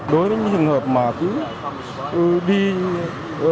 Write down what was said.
đối với những trường hợp mà cũng đi ra khỏi bến